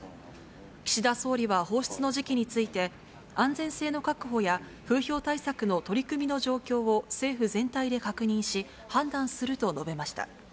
岸田総理は放出の時期について、安全性の確保や、風評対策の取り組みの状況を政府全体で確認し、判断すると述べました。